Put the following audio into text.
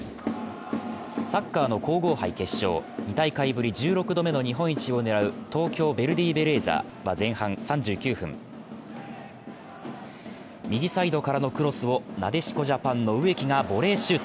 サッカーの皇后杯決勝２大会ぶり１６度目の日本一を狙う東京ヴェルディベレーザは前半３９分、右サイドからのクロスをなでしこジャパンの植木がボレーシュート。